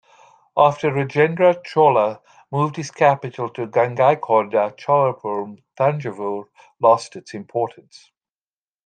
After Rajendra Chola moved his capital to Gangaikonda Cholapuram, Thanjavur lost its importance.